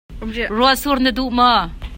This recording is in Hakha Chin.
Ruahsur na duh maw?